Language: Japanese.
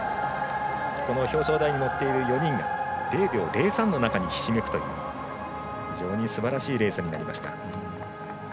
この表彰台に乗っている４人が０秒０３の中に、ひしめくという非常にすばらしいレースになりました。